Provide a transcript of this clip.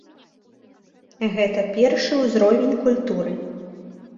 Гэта першы ўзровень культуры.